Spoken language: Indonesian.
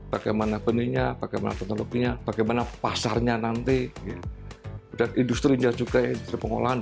bagaimana benihnya bagaimana teknologinya bagaimana pasarnya nanti dan industri nya juga industri pengolahan